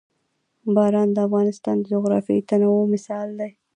باران د افغانستان د جغرافیوي تنوع مثال دی.